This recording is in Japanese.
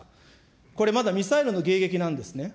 これまだ、ミサイルの迎撃なんですね。